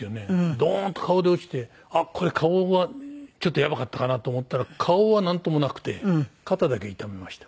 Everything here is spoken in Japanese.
ドーンと顔で落ちてあっこれ顔はちょっとやばかったかなと思ったら顔はなんともなくて肩だけ痛めました。